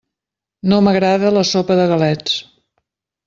No m'agrada la sopa de galets.